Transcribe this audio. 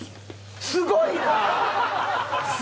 すごいなあ！